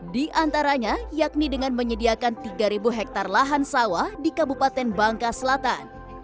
di antaranya yakni dengan menyediakan tiga hektare lahan sawah di kabupaten bangka selatan